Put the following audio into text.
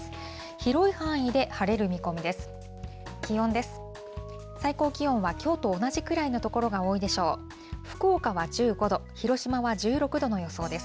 広い範囲で晴れる見込みです。